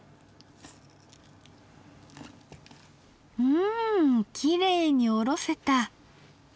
うんきれいにおろせた！